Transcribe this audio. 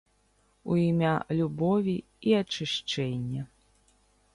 У імя любові і ачышчэння.